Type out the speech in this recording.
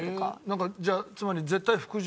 なんかじゃあつまり。